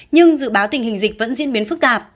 nhưng dự báo tình hình dịch vẫn diễn biến phức tạp